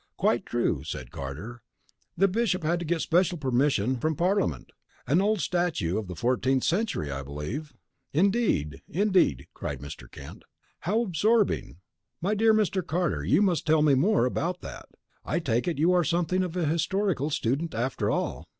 "Quite true," said Carter. "The Bishop had to get special permission from Parliament. An old statute of the fourteenth century, I believe." "Indeed! Indeed!" cried Mr. Kent. "How absorbing! My dear Mr. Carter, you must tell me more about that. I take it you are something of a historical student, after all."